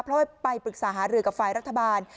เพราะว่าไปปรึกษาหารือกับฝ่ายรัฐบาล